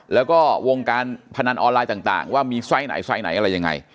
แล้วก็วงการพนันออนไลน์ต่างว่ามีไซส์ไหนไซส์ไหนอะไรยังไง